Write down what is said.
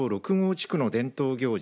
地区の伝統行事